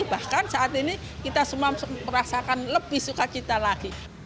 bahkan saat ini kita semua merasakan lebih suka cita lagi